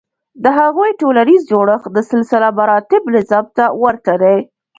د هغوی ټولنیز جوړښت د سلسلهمراتب نظام ته ورته دی.